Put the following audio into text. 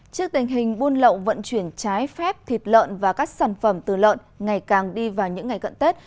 trước tình hình buôn lậu vận chuyển trái phép thịt lợn và các sản phẩm từ lợn ngày càng đi vào những ngày gần tết